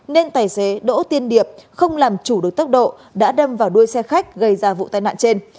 nên tài xế đỗ tiên điệp không làm chủ được tốc độ đã đâm vào đuôi xe khách gây ra vụ tai nạn trên